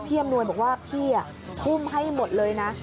อำนวยบอกว่าพี่ทุ่มให้หมดเลยนะ